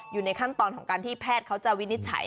อยู่ในขั้นตอนของการที่แพทย์เขาจะวินิจฉัย